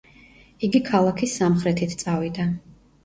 იგი ქალაქის სამხრეთით წავიდა.